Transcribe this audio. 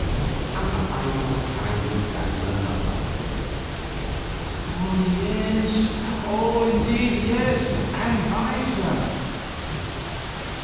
Am I not kinder than her mother?" "Yes oh, indeed yes; and wiser."